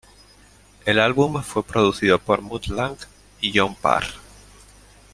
El álbum fue producido por Mutt Lange y John Parr.